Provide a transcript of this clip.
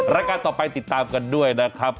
รายการต่อไปติดตามกันด้วยนะครับ